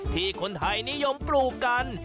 ที่คนไทยนิยมปลูกกัน